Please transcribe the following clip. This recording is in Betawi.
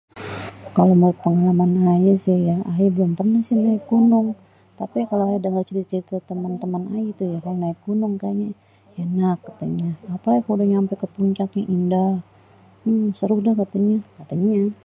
Kalo pengalaman ayé sih ya ayé belum pernah sih naik gunung, tapi kalo denger cerite-cerite temen-temen ayé tuh naek gunung ye enak katanya, tapi gatau kalo udeh nyampe puncak, indah seru dah katanya, katanye.